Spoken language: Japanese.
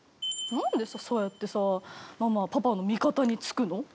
なんでさ、そうやってさママはパパの味方につくの？